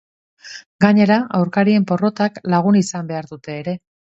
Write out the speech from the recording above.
Gainera, aurkarien porrotak lagun izan behar dute ere.